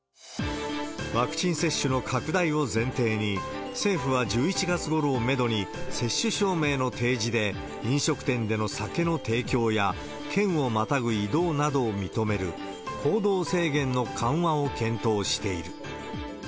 ワクチン接種の拡大を前提に、政府は１１月ごろをメドに接種証明の提示で、飲食店での酒の提供や、県をまたぐ移動などを認める行動制限の緩和を検討している。